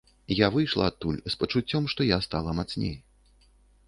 Я выйшла адтуль з пачуццём, што я стала мацней.